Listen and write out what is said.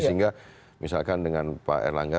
sehingga misalkan dengan pak erlangga